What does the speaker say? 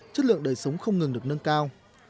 chất lượng đời sống không ngừng được nâng cao